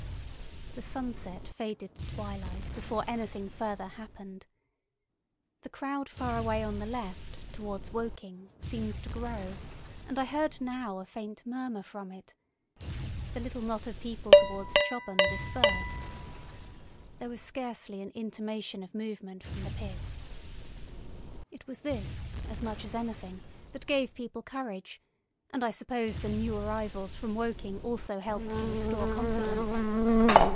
The sunset faded to twilight before anything further happened. The crowd far away on the left, towards Woking, seemed to grow, and I heard now a faint murmur from it. The little knot of people towards Chobham dispersed. There was scarcely an intimation of movement from the pit. It was this, as much as anything, that gave people courage, and I suppose the new arrivals from Woking also helped to restore confidence.